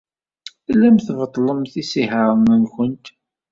Tellamt tbeṭṭlemt isihaṛen-nwent.